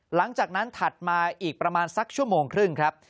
หลังจากนั้นถัดมาอีกประมาณสักชั่วโมงครึ่งครับ